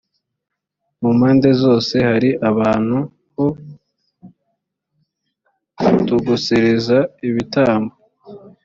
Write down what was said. mu mpande zose hari ahantu ho gutogosereza ibitambo